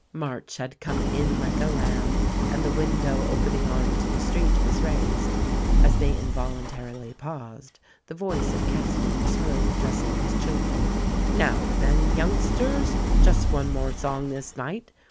March had "come in like a lamb" and the window opening onto the street was raised. As they in voluntarily paused, the voice of Cassady was heard address ing his children : "Now, then, youngsters, just one more song this night.